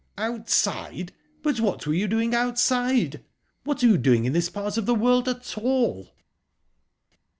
"Outside? But what were you doing outside? What are you doing in this part of the world at all?"